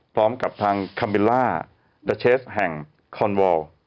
พร้อมกับทางคัมเบลล่าดาเชสแห่งคอนวอล